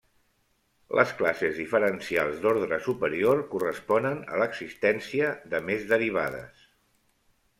Les classes diferencials d'ordre superior corresponen a l'existència de més derivades.